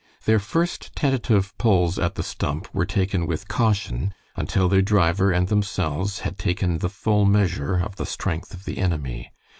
Their first tentative pulls at the stump were taken with caution, until their driver and themselves had taken the full measure of the strength of the enemy.